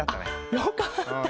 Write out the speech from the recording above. よかった。